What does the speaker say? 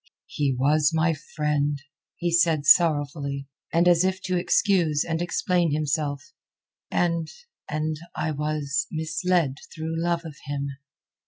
"He was my friend," he said sorrowfully, and as if to excuse and explain himself, "and... and I was misled through love of him."